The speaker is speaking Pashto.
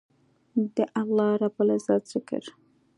د الله رب العزت ذکر